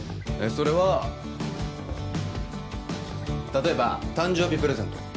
それは例えば誕生日プレゼント